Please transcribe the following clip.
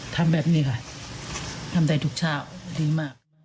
ทำแบบนี้ค่ะทำได้ทุกเช้าดีมาก